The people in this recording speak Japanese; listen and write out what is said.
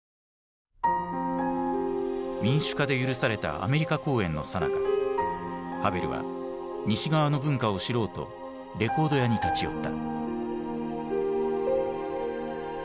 民主化で許されたアメリカ公演のさなかハヴェルは西側の文化を知ろうとレコード屋に立ち寄った。